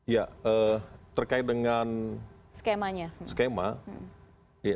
ya terkait dengan skemanya